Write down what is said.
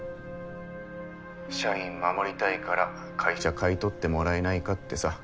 社員守りたいから会社買い取ってもらえないかってさ。